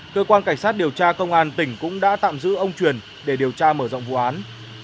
cơ quan cảnh sát điều tra công an tỉnh cũng đã tạm giữ ông truyền để điều tra mở rộng vụ án